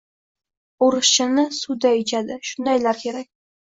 — O’rischani suvday ichadi? Shundaylar kerak.